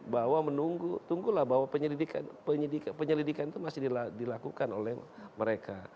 bahwa menunggu tunggulah bahwa penyelidikan itu masih dilakukan oleh mereka